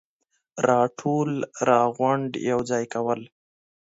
راټول ، راغونډ ، يوځاي کول,